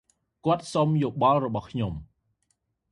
គាត់សុំយោបល់របស់ខ្ញុំ។